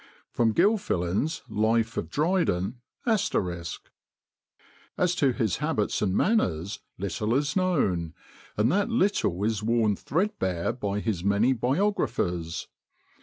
'" [Sidenote: Gilfillan's Life of Dryden. *] "As to his habits and manners little is known, and that little is worn threadbare by his many biographers.